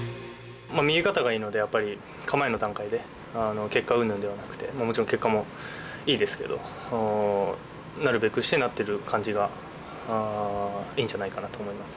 見え方がいいので、やっぱり構えの段階で、結果うんぬんではなくて、もちろん結果もいいんですけど、なるべくしてなってる感じがいいんじゃないかなと思います。